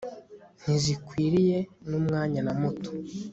ntizikwiriye numwanya na muto